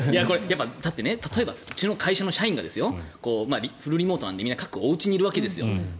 だって、例えばうちの会社の社員がフルリモートなのでみんな各おうちにいるんです。